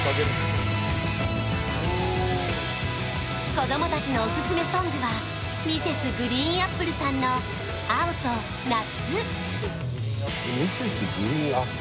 子供たちのお勧めソングは、Ｍｒｓ．ＧＲＥＥＮＡＰＰＬＥさんの「青と夏」。